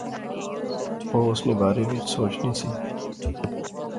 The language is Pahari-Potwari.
او اس نے بارے وچ سوچنی سی